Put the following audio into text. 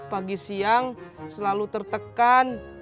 pagi siang selalu tertekan